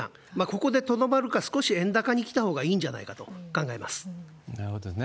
ここでとどまるか、少し円高に来たほうがいいんじゃないかと考えます。